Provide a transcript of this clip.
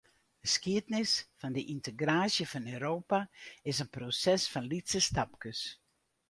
De skiednis fan de yntegraasje fan Europa is in proses fan lytse stapkes.